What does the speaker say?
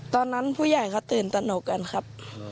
ตอนนั้นผู้ใหญ่เขาตื่นตนกกันครับ